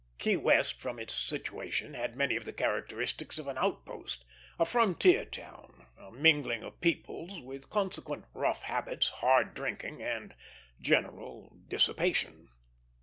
Key West, from its situation, had many of the characteristics of an outpost, a frontier town, a mingling of peoples, with consequent rough habits, hard drinking, and general dissipation.